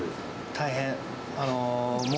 大変。